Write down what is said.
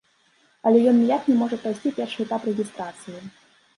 Але ён ніяк не можа прайсці першы этап рэгістрацыі.